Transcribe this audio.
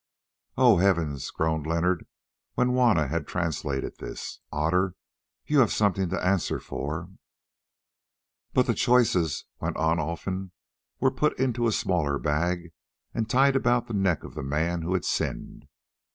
"Oh, heavens!" groaned Leonard when Juanna had translated this. "Otter, you have something to answer for!" "But the choicest," went on Olfan, "were put in a smaller bag, and tied about the neck of the man who had sinned.